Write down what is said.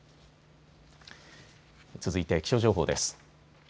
続いて気象情報です。